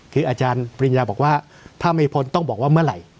คืออาจารย์ปริญญาบอกว่าถ้าไม่พ้นต้องบอกว่าเมื่อไหร่